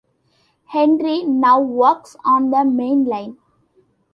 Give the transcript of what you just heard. Henry now works on the main line.